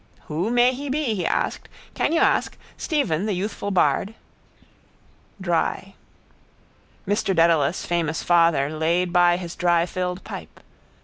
—Who may he be? he asked. Can you ask? Stephen, the youthful bard. Dry. Mr Dedalus, famous father, laid by his dry filled pipe.